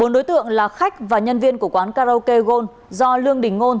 bốn đối tượng là khách và nhân viên của quán karaoke gold do lương đình ngôn